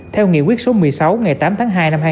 theo nghị quyết số một mươi sáu ngày tám tháng hai